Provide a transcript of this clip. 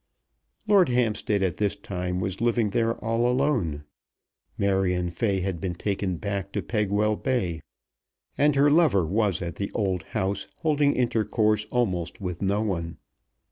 Lord Hampstead at this time was living there all alone. Marion Fay had been taken back to Pegwell Bay, and her lover was at the old house holding intercourse almost with no one.